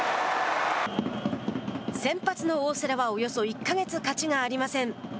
先発の大瀬良はおよそ１か月勝ちがありません。